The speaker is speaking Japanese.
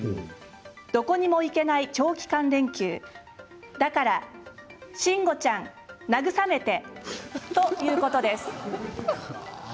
どこにも行けない長期間連休だから慎吾ちゃん、慰めてということです。